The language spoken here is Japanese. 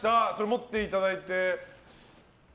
持っていただいて。